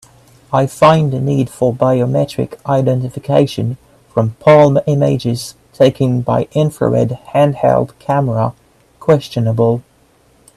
I find the need for biometric identification from palm images taken by infrared handheld camera questionable.